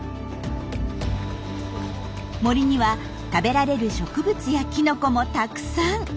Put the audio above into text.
森には食べられる植物やキノコもたくさん。